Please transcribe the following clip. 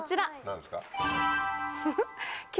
何ですか？